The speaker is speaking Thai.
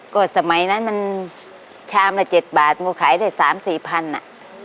ก็สมัยนั้นมันชามละเจ็ดบาทมันก็ขายได้สามสี่พันอ่ะ